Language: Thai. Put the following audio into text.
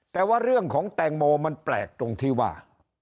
แต่ว่าเรื่องของแตงโมมันแปลกตรงที่ว่า